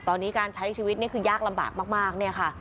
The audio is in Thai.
ตอนนี้การใช้ชีวิตนี่คือยากลำบากมากเนี่ยค่ะ